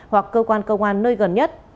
hoặc cơ quan cơ quan nơi gần nhất